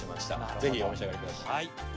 ぜひお召し上がり下さい。